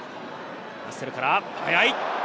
ラッセルから、速い！